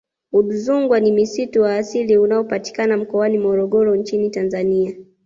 Udzungwa ni msitu wa asili unaopatikana mkoani Morogoro nchini Tanzania